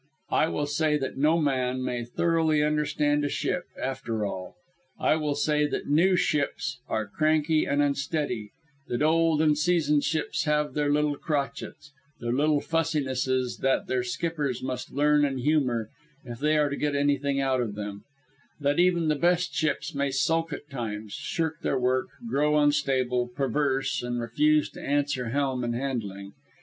I will say that no man may thoroughly understand a ship after all. I will say that new ships are cranky and unsteady; that old and seasoned ships have their little crochets, their little fussinesses that their skippers must learn and humour if they are to get anything out of them; that even the best ships may sulk at times, shirk their work, grow unstable, perverse, and refuse to answer helm and handling.